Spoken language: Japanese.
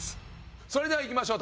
それではいきましょう。